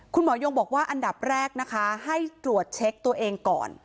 ยงบอกว่าอันดับแรกนะคะให้ตรวจเช็คตัวเองก่อน